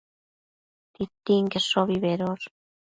Titinqueshobi bedosh